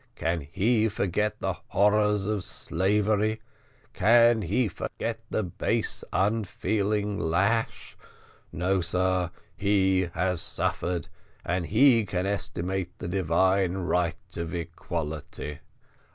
Can he forget the horrors of slavery? can he forget the base unfeeling lash? no, sir, he has suffered, and he can estimate the divine right of equality.